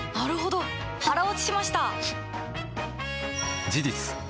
腹落ちしました！